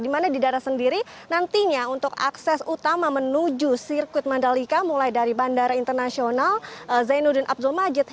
dimana di daerah sendiri nantinya untuk akses utama menuju sirkuit mandalika mulai dari bandara internasional zainuddin abdul majid